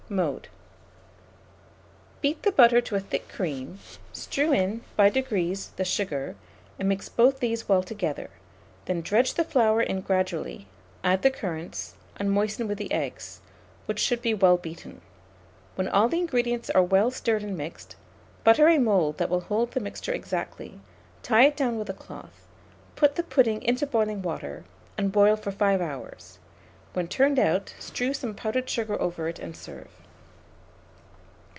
Mode. Beat the butter to a thick cream, strew in, by degrees, the sugar, and mix both these well together; then dredge the flour in gradually, add the currants, and moisten with the eggs, which should be well beaten. When all the ingredients are well stirred and mixed, butter a mould that will hold the mixture exactly, tie it down with a cloth, put the pudding into boiling water, and boil for 5 hours; when turned out, strew some powdered sugar over it, and serve.